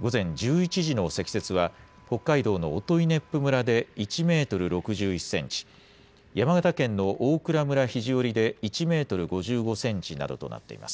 午前１１時の積雪は北海道の音威子府村で１メートル６１センチ、山形県の大蔵村肘折で１メートル５５センチなどとなっています。